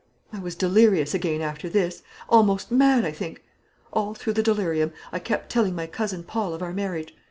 "I was delirious again after this; almost mad, I think. All through the delirium I kept telling my cousin Paul of our marriage.